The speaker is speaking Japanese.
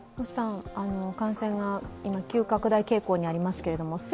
感染が急拡大傾向にありますけれども、